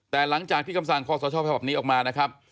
แต่หลังจากที่กำสั่งข้อสร้าชอพภาพนี้ออกมานะครับ